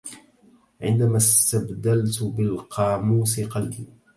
عندما استبدلت بالقاموس قلبي!